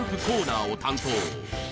コーナーを担当